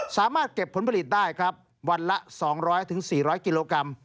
สามารถเก็บผลผลิตได้ครับวันละ๒๐๐๔๐๐กิโลกรัม